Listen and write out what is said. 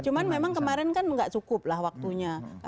cuman memang kemarin kan nggak cukup lah waktunya